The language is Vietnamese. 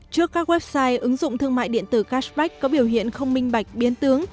trước các website ứng dụng thương mại điện tử cashback có biểu hiện không minh bạch biến tướng